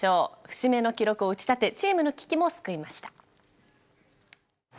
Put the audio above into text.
節目の記録を打ち立てチームの危機も救いました。